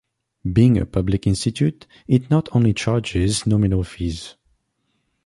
Being a public institute, it not only charges nominal fees.